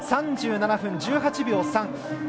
３７分１８秒３。